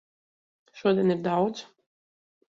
Šodien ir daudz.